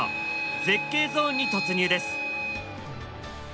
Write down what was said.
絶景ゾーンに突入です。